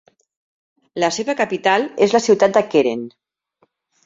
La seva capital és la ciutat de Keren.